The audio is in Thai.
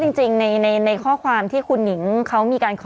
จริงจริงในในในข้อความที่คุณหญิงเค้ามีการ